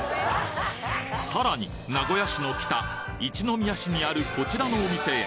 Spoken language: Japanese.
さらに名古屋市の北、一宮市にあるこちらのお店へ。